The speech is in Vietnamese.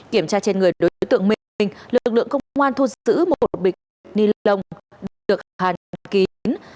kiểm tra trên người đối tượng minh lực lượng công an thu giữ một bịch ni lông được hàn kín